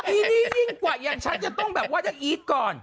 อีนี่ยิ่งกว่าอย่างฉันจะต้องแบบว่าได้อีทก่อน